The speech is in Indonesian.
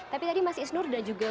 tapi tadi mas isnur dan juga